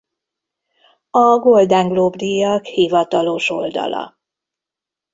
A Golden Globe-díjak hivatalos oldala